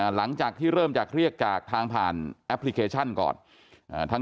หลังจากที่เริ่มจากเรียกจากทางผ่านแอปพลิเคชันก่อน